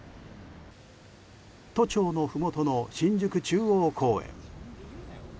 都庁のふもとの新宿中央公園。